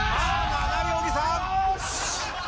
７位小木さん！